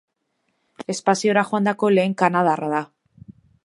Espaziora joandako lehen kanadarra da.